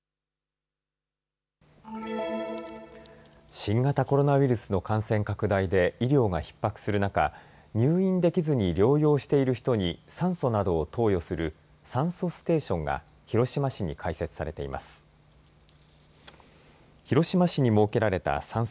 新型コロナウイルスの感染拡大で医療がひっ迫する中、入院できずに療養している人に酸素などを投与する酸素ステーションが広島市に開設されています。